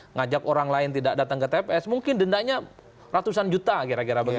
ngajak orang lain tidak datang ke tps mungkin dendanya ratusan juta kira kira begitu